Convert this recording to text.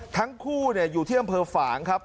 ทั้งคู่อยู่ที่อำเภอฝางครับ